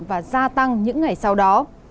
và gia tăng những ngày sau đó